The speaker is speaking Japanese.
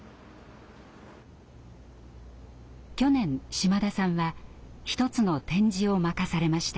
去年島田さんは一つの展示を任されました。